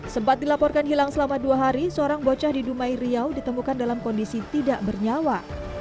sempat dilaporkan hilang selama dua hari seorang bocah di dumai riau ditemukan dalam kondisi tidak bernyawa